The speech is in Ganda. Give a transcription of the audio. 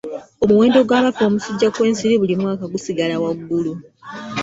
Omuwendo gw'abafa omusujja gw'ensiri buli mwaka gusigala waggulu.